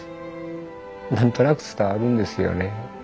何となく伝わるんですよね。